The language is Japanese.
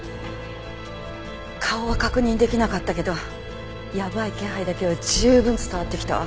顔は確認できなかったけどやばい気配だけは十分伝わってきたわ。